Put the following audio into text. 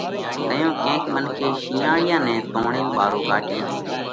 تئيون ڪينڪ منکي شِينئاۯيا نئہ توڻينَ ٻارو ڪاڍيو